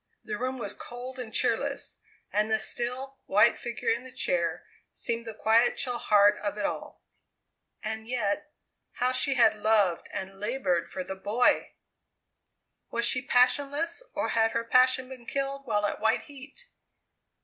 The room was cold and cheerless, and the still, white figure in the chair seemed the quiet, chill heart of it all. And yet how she had loved and laboured for the boy! Was she passionless or had her passion been killed while at white heat?